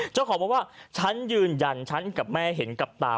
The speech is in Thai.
เจ้าของบอกว่าฉันยืนยันฉันกับแม่เห็นกับตา